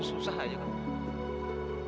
ini susah aja kan